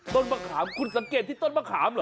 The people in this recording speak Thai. ต้นมะขามคุณสังเกตที่ต้นมะขามเหรอ